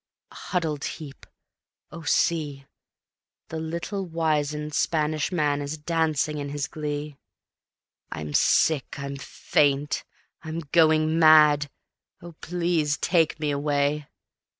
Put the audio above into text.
A huddled heap! Oh, see The little wizened Spanish man is dancing in his glee. ... I'm sick ... I'm faint ... I'm going mad. ... Oh, please take me away